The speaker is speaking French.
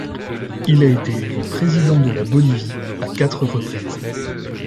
Il a été élu président de la Bolivie à quatre reprises.